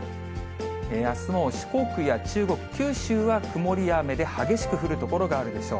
あすも四国や中国、九州は曇りや雨で、激しく降る所があるでしょう。